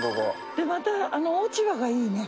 でまたあの落ち葉がいいね。